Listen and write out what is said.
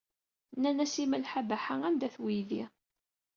Nnan-as i Malḥa Baḥa anda-t weydi.